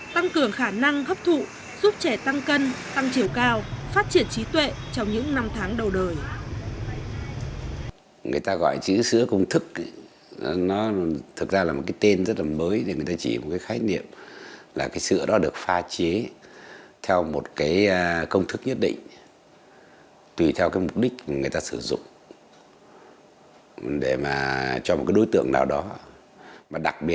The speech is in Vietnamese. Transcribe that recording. tăng cường khả năng hấp thụ giúp trẻ tăng cân tăng chiều cao phát triển trí tuệ trong những năm tháng đầu đời